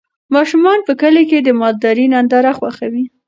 ماشومان په کلي کې د مالدارۍ ننداره خوښوي.